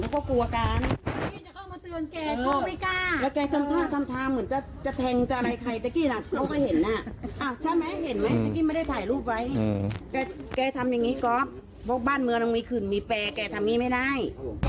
พวกบ้านเมืองมันมีขึ่นมีแปลแกทำงี้ไม่ได้